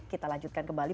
kita lanjutkan kembali